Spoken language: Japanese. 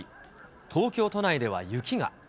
東京都内では雪が。